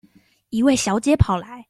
一位小姐跑來